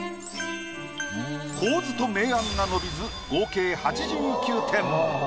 構図と明暗が伸びず合計８９点。